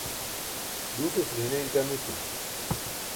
duusasulo hinain ṭam etin